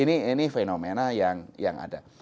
ini fenomena yang ada